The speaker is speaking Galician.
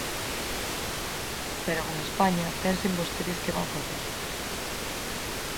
Pero con España, pensen vostedes que van facer.